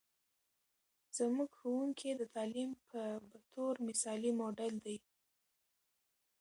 زموږ ښوونکې د تعلیم په بطور مثالي موډل دی.